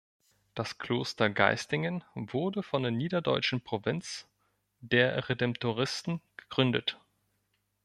Das Kloster Geistingen wurde von der "Niederdeutschen Provinz" der Redemptoristen gegründet.